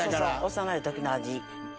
幼い時の味。